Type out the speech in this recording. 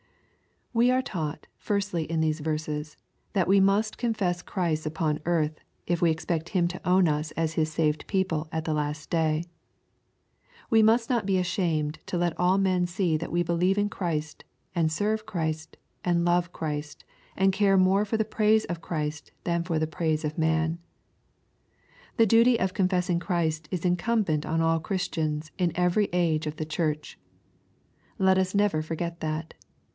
We are taught, firstly, in these verses, that we must confess Christ upon earthy if we expect Him to own us as His saved people at the last day. We must not be ashamed to let all men see that we believe in Christ, and serve Christ, and love Christ, and care more for the praise of Christ than for the praise of man. The duty of confessing Christ is incumbent on all Christians in every age of the Church. Let us never forget that.